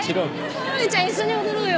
孔明ちゃん一緒に踊ろうよ。